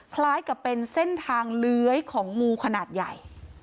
คล้ายกับเป็นเส้นทางเลื้อยของงูขนาดใหญ่